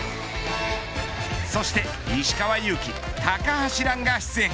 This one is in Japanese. そして石川祐希、高橋藍が出演。